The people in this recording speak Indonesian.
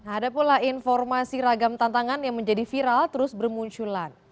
ada pula informasi ragam tantangan yang menjadi viral terus bermunculan